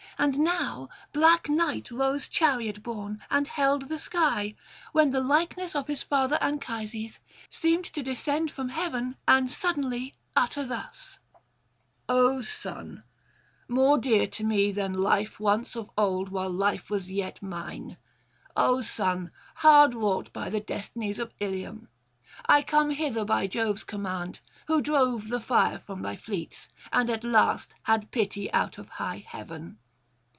And now black Night rose chariot borne, and held the sky; when the likeness of his father Anchises seemed to descend from heaven and suddenly utter thus: 'O son, more dear to me than life once of old while life was yet mine; O son, hard wrought by the destinies of Ilium! I come hither by Jove's command, who drove the [727 760]fire from thy fleets, and at last had pity out of high heaven.